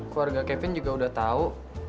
keluarga kevin juga udah tahu